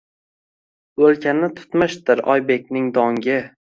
O’lkani tutmishdir Oybekning dongi